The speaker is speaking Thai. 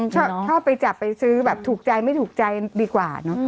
ชอบไปจับไปซื้อแบบถูกใจไม่ถูกใจดีกว่าเนอะ